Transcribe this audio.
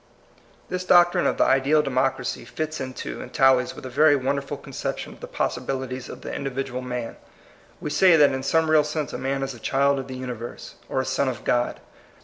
This doctrine of the ideal democracy fits into and tallies with a very wonder ful conception of the possibilities of the individual man. We say that in some real sense a man is a child of the universe, or a son of God.